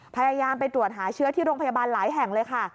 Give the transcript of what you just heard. พยายามไปตรวจหาเชื้อที่โรงพยาบาลหลายแห่งเลยค่ะ